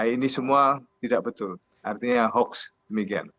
ini semua tidak betul artinya hoax demikian